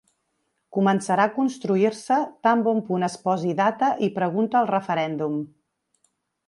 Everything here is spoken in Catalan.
Començarà a construir-se tan bon punt es posi data i pregunta al referèndum.